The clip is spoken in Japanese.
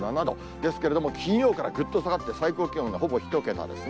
ですけれども、金曜からぐっと下がって、最高気温がほぼ１桁ですね。